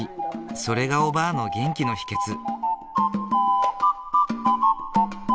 それがおばぁの元気の秘けつ。